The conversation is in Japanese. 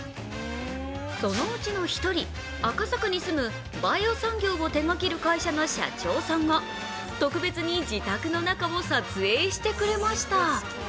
そのうちの１人、赤坂に住むバイオ産業を手がける会社の社長さんが特別に自宅の中を撮影してくれました。